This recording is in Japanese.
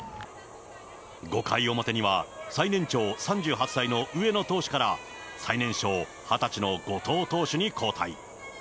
５回表には、最年長、３８歳の上野投手から、最年少、２０歳の後藤投手に交代。